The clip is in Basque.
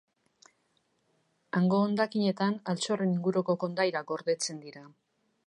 Hango hondakinetan altxorren inguruko kondairak gordetzen dira.